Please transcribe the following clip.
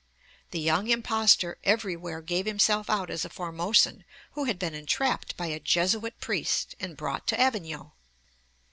The young impostor everywhere gave himself out as a Formosan who had been entrapped by a Jesuit priest, and brought to Avignon.